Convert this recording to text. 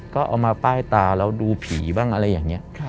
ก็เอามาป้ายตาแล้วดูผีบ้างอะไรอย่างนี้